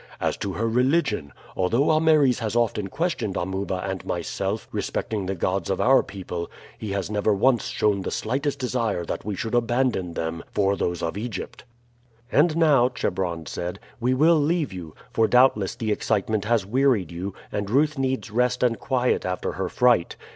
As to her religion, although Ameres has often questioned Amuba and myself respecting the gods of our people, he has never once shown the slightest desire that we should abandon them for those of Egypt." "And now," Chebron said, "we will leave you; for doubtless the excitement has wearied you, and Ruth needs rest and quiet after her fright.